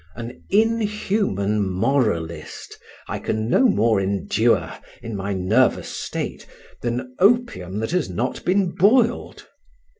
An inhuman moralist I can no more endure in my nervous state than opium that has not been boiled.